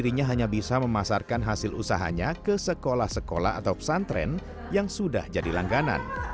karena sejauh ini dirinya hanya bisa memasarkan hasil usahanya ke sekolah sekolah atau pesantren yang sudah jadi langganan